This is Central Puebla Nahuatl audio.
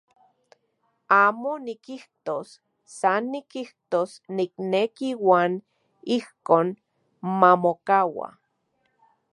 Amo nikijtos, san nikijtos nikneki uan ijkon mamokaua.